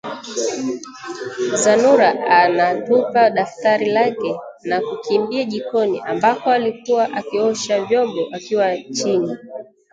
Zanura anatupa daftari lake na kukimbia jikoni ambako alikuwa akiosha vyombo akiwa chini